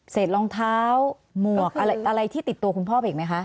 เศษรองเท้าหมวกอะไรอะไรที่ติดตัวคุณพ่อพี่อีกไหมค่ะ